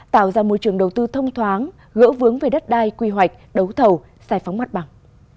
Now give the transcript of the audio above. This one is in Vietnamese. tạo ra môi trường đầu tư thông thoáng gỡ vướng về đất đai quy hoạch đấu thầu giải phóng mặt bằng